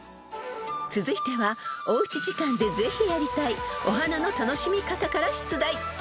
［続いてはおうち時間でぜひやりたいお花の楽しみ方から出題］